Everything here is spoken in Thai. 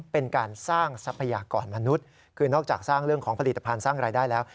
เป็นการสร้างทรัพยากรมนุษย์คือนอกจากสร้างเรื่องของผลิตภัณฑ์สร้างรายได้แล้ว